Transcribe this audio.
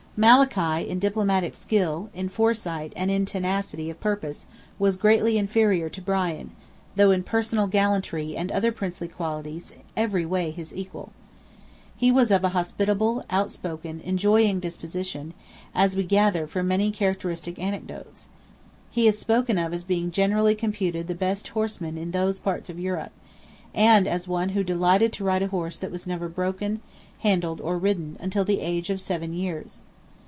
Malachy, in diplomatic skill, in foresight, and in tenacity of purpose, was greatly inferior to Brian, though in personal gallantry and other princely qualities, every way his equal. He was of a hospitable, out spoken, enjoying disposition, as we gather from many characteristic anecdotes. He is spoken of as "being generally computed the best horseman in those parts of Europe;" and as one who "delighted to ride a horse that was never broken, handled, or ridden, until the age of seven years."